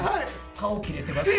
顔切れてますわ。